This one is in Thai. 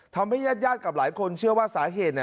ทำให้ญาติกับหลายคนเชื่อว่าสาเหตุ